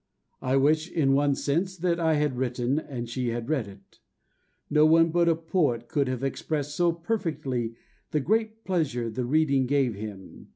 I wish, in one sense, that I had written and she had read it." No one but a poet could have expressed so perfectly the great pleasure the reading gave him.